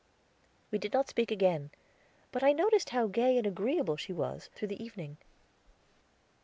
We did not speak again, but I noticed how gay and agreeable she was through the evening.